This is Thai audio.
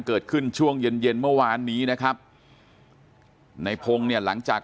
เกิดขึ้นช่วงเย็นเย็นเมื่อวานนี้นะครับในพงศ์เนี่ยหลังจาก